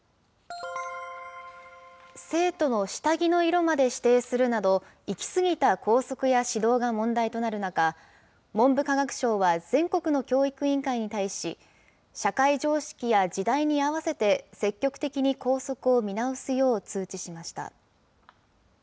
生徒の下着の色まで指定するなど、行き過ぎた校則や指導が問題となる中、文部科学省は全国の教育委員会に対し、社会常識や時代に合わせて、積極的に校則を見直すよう通知しました。